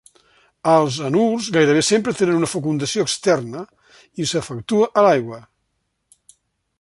Els anurs gairebé sempre tenen una fecundació externa i s'efectua a l'aigua.